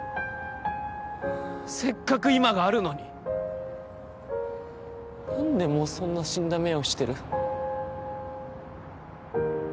せっかく今があるのに何でもうそんな死んだ目をしてる？